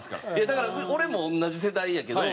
だから俺も同じ世代やけど。